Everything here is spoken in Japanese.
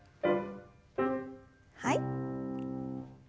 はい。